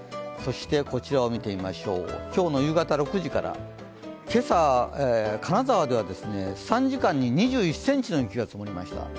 こちらを見てみましょう、今日の夕方６時から、今朝、金沢では３時間に２１ｃｍの雪が積もりました。